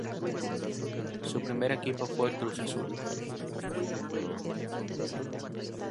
Su primer equipo fue el Cruz Azul.